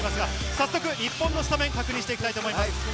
早速、日本のスタメンを確認していきたいと思います。